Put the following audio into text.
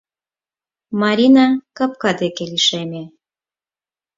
Марина капка деке лишеме.